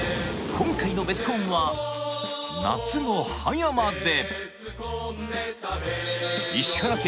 今回のベスコンは夏の葉山で石原家